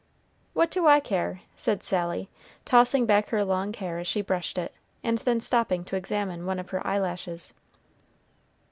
"What do I care?" said Sally, tossing back her long hair as she brushed it, and then stopping to examine one of her eyelashes.